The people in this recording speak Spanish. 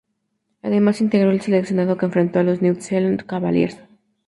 Además integró el seleccionado que enfrentó a los New Zealand Cavaliers.